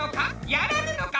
やらぬのか？